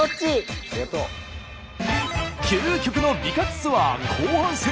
究極の美活ツアー後半戦。